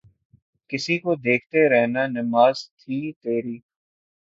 کسی کو دیکھتے رہنا نماز تھی تیری